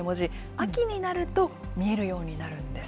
秋になると、見えるようになるんです。